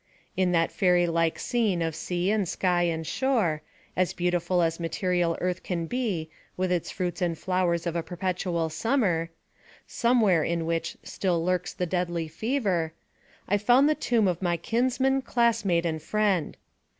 In that fairy like scene of sea and sky and shore, as beautiful as material earth can be, with its fruits and flowers of a perpetual summer, somewhere in which still lurks the deadly fever, I found the tomb of my kinsman, classmate, and friend.